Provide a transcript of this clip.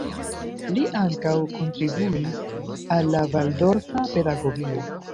Li ankaŭ kontribuis al la Valdorfa pedagogio.